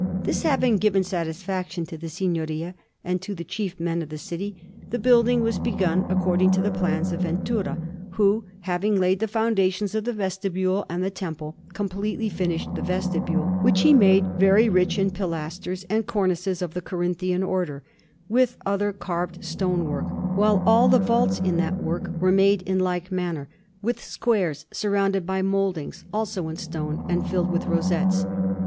This having given satisfaction to the Signoria and to the chief men of the city, the building was begun according to the plans of Ventura, who, having laid the foundations of the vestibule and the temple, completely finished the vestibule, which he made very rich in pilasters and cornices of the Corinthian Order, with other carved stonework; while all the vaults in that work were made in like manner, with squares surrounded by mouldings, also in stone, and filled with rosettes.